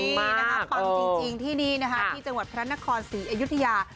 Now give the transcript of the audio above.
ฟังจริงที่นี่นะครับที่จังหวัดพระรัชนครศรีอยุธยา